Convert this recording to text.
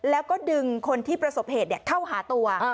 แล้วก็ดึงคนที่ประสบเหตุเข้าหาตัว